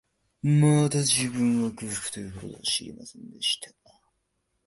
また、自分は、空腹という事を知りませんでした